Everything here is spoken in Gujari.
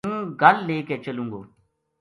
ہوں گل لے کے چلوں گو ‘‘